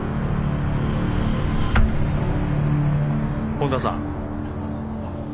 本田さん。